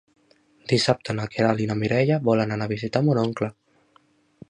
Dissabte na Queralt i na Mireia volen anar a visitar mon oncle.